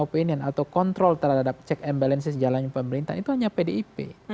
opinion atau kontrol terhadap check and balances jalan pemerintahan itu hanya pdip